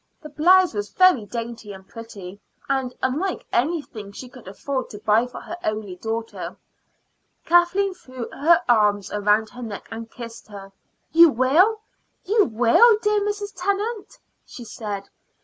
The blouse was very dainty and pretty, and unlike anything she could afford to buy for her only daughter. Kathleen threw her arms round her neck and kissed her. "You will you will, dear Mrs. Tennant," she said.